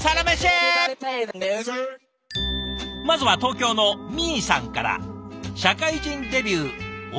まずは東京のみーさんから。